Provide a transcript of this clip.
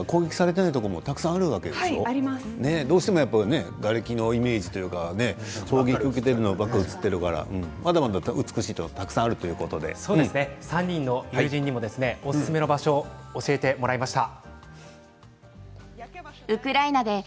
こういうきれいなところも攻撃されていないところもたくさんあるわけでしょう。どうしてもがれきのイメージというか攻撃を受けているのが映っているからまだまだ美しいものが３人の友人にもおすすめな場所を教えてもらいました。